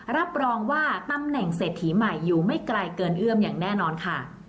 รับรองว่าตำแหน่งเศรษฐีใหม่อยู่ไม่ไกลเกินเอื้อมอย่างแน่นอนค่ะ